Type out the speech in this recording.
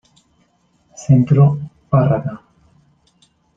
Centro Párraga.